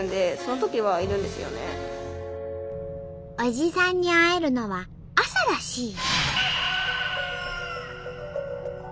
おじさんに会えるのは朝らしい。